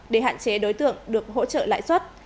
để hạn chế đối tượng được hỗ trợ lãi suất